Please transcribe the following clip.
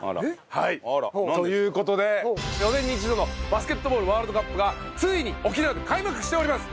はいという事で４年に１度のバスケットボールワールドカップがついに沖縄で開幕しております。